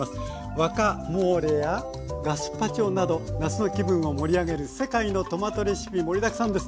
ワカモーレやガスパチョなど夏の気分を盛り上げる世界のトマトレシピ盛りだくさんです。